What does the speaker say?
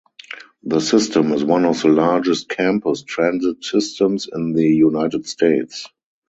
The system is one of the largest campus transit systems in the United States.